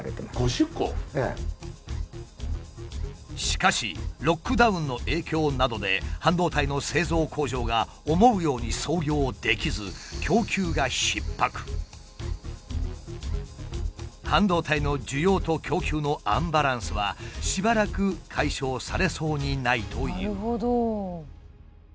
しかしロックダウンの影響などで半導体の製造工場が思うように操業できず半導体の需要と供給のアンバランスはしばらく解消されそうにないという。